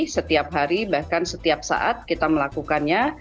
setiap hari bahkan setiap saat kita melakukannya